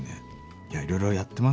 いやいろいろやってますね皆さん。